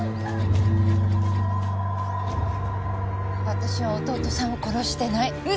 私は弟さんを殺してない。